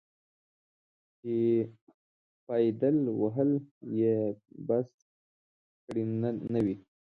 چې پایدل وهل یې بس کړي نه وي.